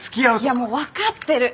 いやもう分かってる。